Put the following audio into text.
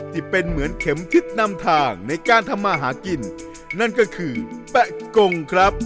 ที่เป็นเหมือนเข็มคิดนำทางในการทำมาหากินนั่นก็คือแปะกงครับ